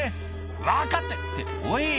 「分かってるっておい」